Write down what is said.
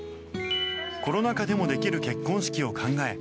コロナ禍でもできる結婚式を考え